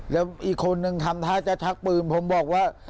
แล้วอีกคนนึงทำท่าจะชักปืนผมบอกว่า